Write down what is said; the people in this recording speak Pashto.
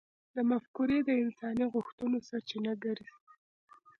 دا مفکورې د انساني غوښتنو سرچینه ګرځي.